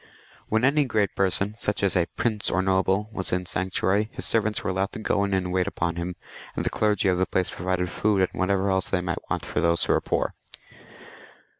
v.] THE MEROVINGIAN KINGS. 25 When any great person, such as a prince or noble, was in sanctuary, his servants were allowed to go in and wait upon him ; and the clergy of the place provided food and whatever else they might want for those who were poor.